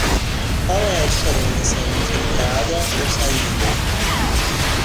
Qual é a diferença entre entrada ou saída?